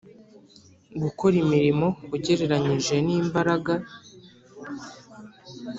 gukora imirimo ugereranyije n’imbaraga